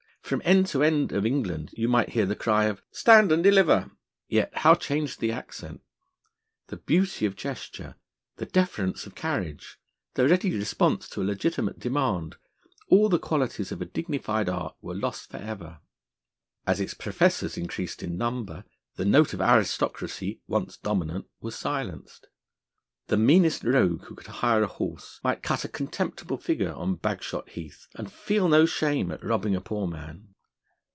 From end to end of England you might hear the cry of 'Stand and deliver.' Yet how changed the accent! The beauty of gesture, the deference of carriage, the ready response to a legitimate demand all the qualities of a dignified art were lost for ever. As its professors increased in number, the note of aristocracy, once dominant, was silenced. The meanest rogue, who could hire a horse, might cut a contemptible figure on Bagshot Heath, and feel no shame at robbing a poor man.